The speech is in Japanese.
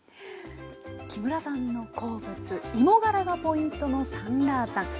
木村さんの好物芋がらがポイントのサンラータン。